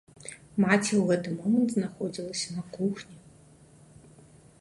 Маці ў гэты момант знаходзілася на кухні.